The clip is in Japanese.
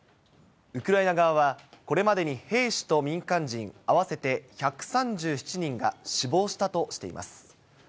ウクライナ側は、これまでに兵士と民間人合わせて１３７人が死亡したとしています。